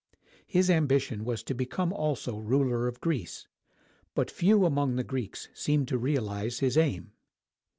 His ambition was to become also ruler of Greece; but few among the Greeks seemed to realize his aim.